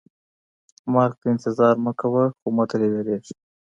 مرګ ته انتظار مه کوه خو مه ترې ویریږه.